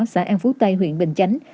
xã an phú tây huyện bình chánh